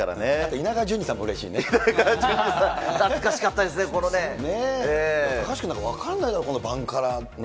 稲川淳二さん、懐かしかった高橋君なんか、分かんないでしょ、このバンカラの。